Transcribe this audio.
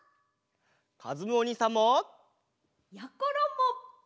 かずむおにいさんも！やころも！